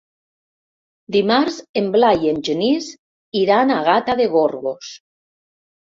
Dimarts en Blai i en Genís iran a Gata de Gorgos.